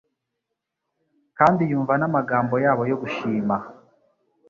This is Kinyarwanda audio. kandi yumva n’amagambo yabo yo gushima;